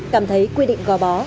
cảm thấy quy định gò bó